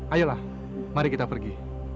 ayolah mari kita pergi